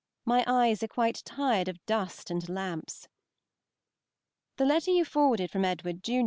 My eyes are quite tired of dust and lamps. The letter you forwarded from Edward, junr.